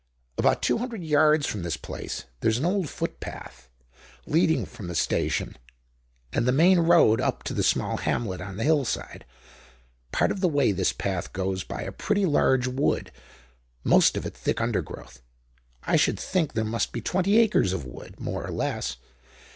"About two hundred yards from this place there's an old footpath, leading from the station and the main road up to a small hamlet on the hillside. Part of the way this path goes by a pretty large wood, most of it thick undergrowth. I should think there must be twenty acres of wood, more or less.